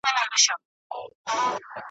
پر هغې ورځي لعنت سمه ویلای ,